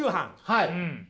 はい。